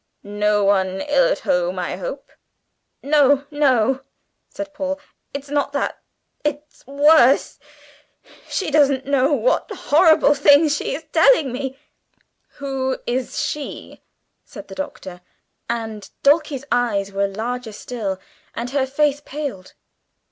"No one ill at home, I hope?" "No, no," said Paul. "It's not that; it's worse! She doesn't know what horrible things she tells me!" "Who is 'she'?" said the Doctor and Dulcie's eyes were larger still and her face paled.